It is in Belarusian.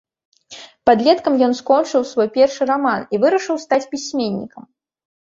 Падлеткам ён скончыў свой першы раман і вырашыў стаць пісьменнікам.